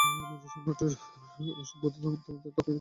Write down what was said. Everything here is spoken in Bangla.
মৌর্য্য সম্রাট অশোক বৌদ্ধ ধর্মে ধর্মান্তরিত হওয়ার পর তাকে বিবাহ করেন।